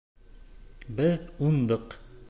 Беҙ уңдыҡ!